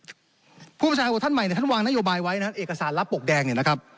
ผู้ประชาของท่านใหม่เนี่ยท่านวางนโยบายไว้นะครับเอกสารลับปกแดงเนี่ยนะครับ